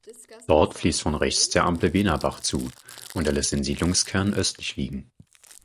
Dort fließt von rechts der "Amplebenerbach" zu und er lässt den Siedlungskern östlich liegen.